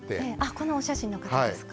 このお写真の方ですか？